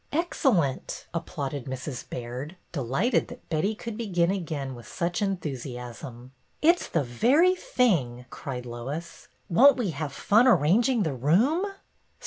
'' Excellent !" applauded Mrs. Baird, delighted that Betty could begin again with such enthu siasm. 'Mt's the very thing!" cried Lois. ''Won't we have fun arranging the room